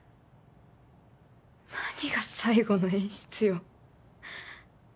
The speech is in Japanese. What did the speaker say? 何が最後の演出よ。